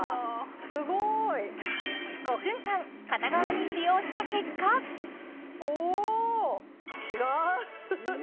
すごーい５分間片側に使用した結果おっ！